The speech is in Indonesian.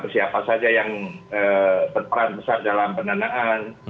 siapa saja yang berperan besar dalam pendanaan